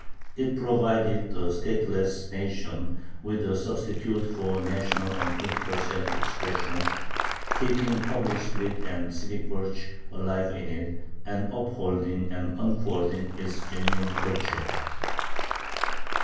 It provided the stateless nation with a substitute for national and political self expression, keeping public spirit and civic virtue alive in it, and upholding and unfolding its genuine culture.